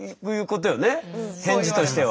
返事としては。